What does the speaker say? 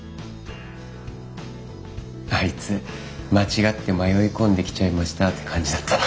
あいつ間違って迷い込んできちゃいましたって感じだったな。